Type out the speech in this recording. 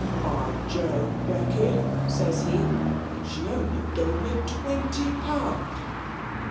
"By Jove, Becky," says he, "she's only given me twenty pound!"